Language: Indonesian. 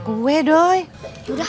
mak emang ke rumah